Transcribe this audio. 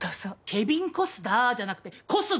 ケビンコスダーじゃなくて小須田！